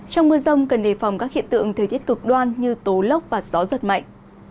trong mưa rông cần đề phòng các hiện tượng thời tiết cực đoan như tố lốc và gió giật mạnh